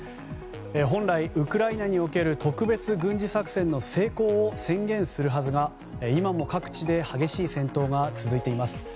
本来、ウクライナにおける特別軍事作戦の成功を宣言するはずが今も各地で激しい戦闘が続いています。